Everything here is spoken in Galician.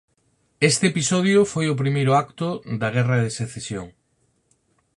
Este episodio foi o primeiro acto da Guerra de Secesión.